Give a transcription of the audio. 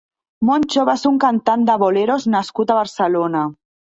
Moncho va ser un cantant de boleros nascut a Barcelona.